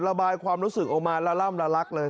ระบายความรู้สึกออกมาละล่ำละลักเลย